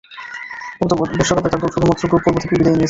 উক্ত বিশ্বকাপে তার দল শুধুমাত্র গ্রুপ পর্ব থেকেই বিদায় নিয়েছিল।